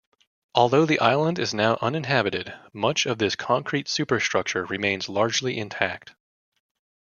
Although the island is now uninhabited much of this concrete superstructure remains largely intact.